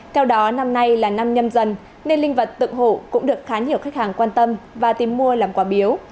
theo đó năm nay là năm nhâm dần nên linh vật tự hổ cũng được khá nhiều khách hàng quan tâm và tìm mua làm quả biếu